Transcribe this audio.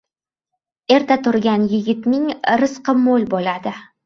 • Erta turgan yigitning rizqi mo‘l bo‘ladi.